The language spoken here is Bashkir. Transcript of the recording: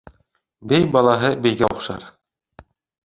Бей балаһы бейгә оҡшар.